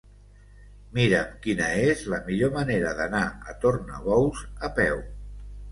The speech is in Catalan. Mira'm quina és la millor manera d'anar a Tornabous a peu.